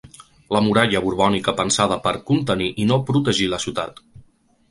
La muralla borbònica pensada per "contenir" i no protegir la ciutat.